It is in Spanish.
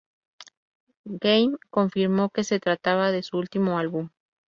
Game confirmó que se trataba de su último álbum.